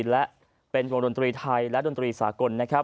และเป็นวงดนตรีไทยและดนตรีสากล